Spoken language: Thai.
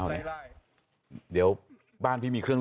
หัวเตียงค่ะหัวเตียงค่ะ